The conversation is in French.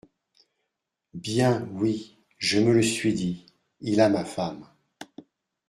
Bien, oui, je me le suis dit : "Il a ma femme !